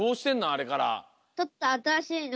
あれから。